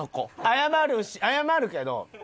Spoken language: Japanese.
謝る謝るけど。